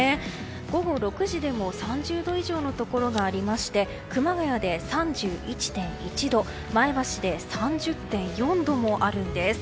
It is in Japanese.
午後６時でも３０度以上のところがありまして熊谷で３１．１度前橋で３０．４度もあるんです。